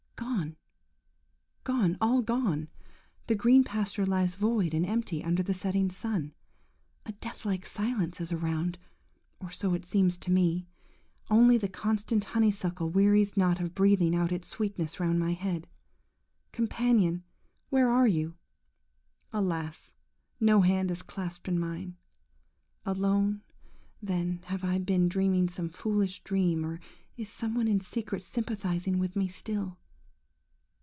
Gone, gone, all gone. The green pasture lies void and empty under the setting sun. A deathlike silence is around, or so it seems to me. Only the constant honeysuckle wearies not of breathing out its sweetness round my head. Companion, where are you? Alas! no hand is clasped in mine. Alone, then, have I been dreaming some foolish dream, or is some one in secret sympathising with me still?